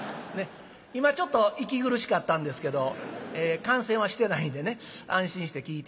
今ちょっと息苦しかったんですけど感染はしてないんでね安心して聴いて頂こうと。